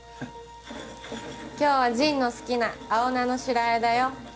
今日はジンの好きな青菜の白あえだよ。